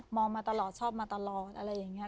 มาตลอดชอบมาตลอดอะไรอย่างนี้